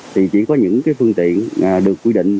thì chỉ có những phương tiện được quy định